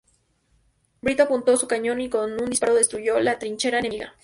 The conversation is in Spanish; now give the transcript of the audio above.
Brito apuntó su cañón y con un disparo destruyó la trinchera enemiga.